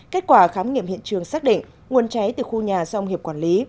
kết quả khám nghiệm hiện trường xác định nguồn cháy từ khu nhà do ông hiệp quản lý